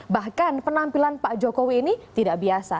bahkan penampilan pak jokowi ini tidak biasa